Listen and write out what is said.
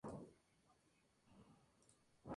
Mi tiempo aún no ha llegado".